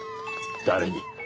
誰に？